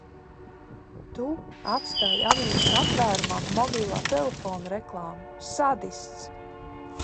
Tu atstāji avīzes atvērumā mobilā telefona reklāmu, sadists!